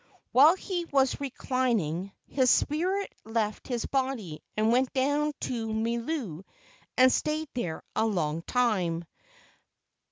While he was reclin¬ ing, his spirit left his body and went down to Milu and stayed there a long time.